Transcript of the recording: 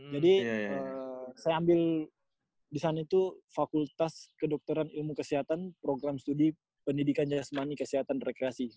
jadi saya ambil disana itu fakultas kedokteran ilmu kesehatan program studi pendidikan jasmani kesehatan rekreasi